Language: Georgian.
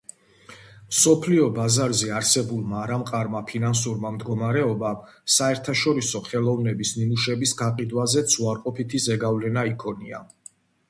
მსოფლიო ბაზარზე არსებულმა არამყარმა ფინანსურმა მდგომარეობამ, საერთაშორისო ხელოვნების ნიმუშების გაყიდვაზეც უარყოფითი ზეგავლენა იქონია.